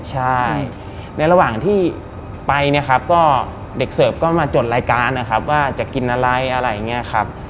ใช่ในระหว่างที่ไปเด็กเสิร์ฟก็มาจดรายการว่าจะกินอะไรอะไรอย่างนี้ครับ